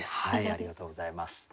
ありがとうございます。